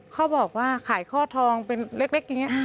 เขาบอกว่าขายข้อทองเป็นเล็กอย่างนี้